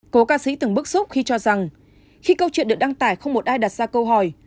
cố ca sĩ từng bức xúc khi cho rằng khi câu chuyện được đăng tải không một ai đặt ra câu hỏi